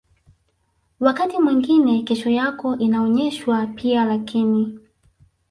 wakati mwingine kesho yako inaonyeshwa pia Lakini